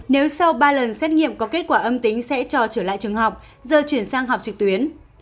nếu sau ba lần xét nghiệm có kết quả âm tính sẽ cho trở lại trường học giờ chuyển sang học trực tuyến